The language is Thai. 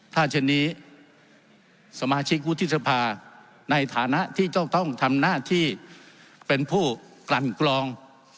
ถ้าเช่นนี้สมาชิกวุฒิสภาในฐานะที่จะต้องทำหน้าที่เป็นผู้กลั่นกรอง